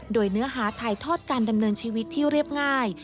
โดยเนื้อหาถ่ายทอดการดำเนินชีวิตที่เรียบง่าย